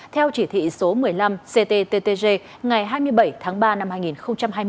theo chỉ thị số một mươi năm ctttg ngày hai mươi bảy tháng ba năm hai nghìn hai mươi của thủ tướng chính phủ